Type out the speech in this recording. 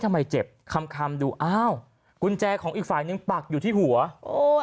เจ็บคำคำดูอ้าวกุญแจของอีกฝ่ายนึงปักอยู่ที่หัวโอ้ย